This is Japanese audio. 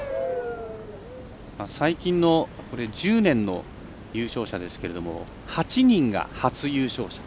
最近の１０年の優勝者ですが８人が初優勝者。